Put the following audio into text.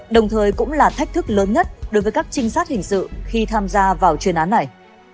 đồng thời cũng là thách thức lớn nhất đối với các trinh sát hình sự khi tham gia vào chuyên án này